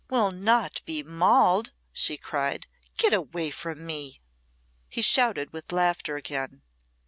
"Will not be mauled," she cried. "Get away from me!" He shouted with laughter again.